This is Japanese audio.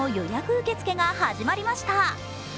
受け付けが始まりました。